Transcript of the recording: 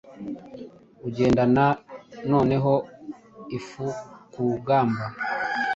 ugendana noneho ifu-kurugamba